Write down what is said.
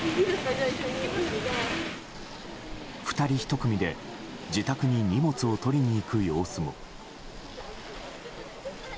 ２人１組で自宅に荷物を取りに行く様子も。